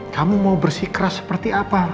kamu mau bersikeras seperti apa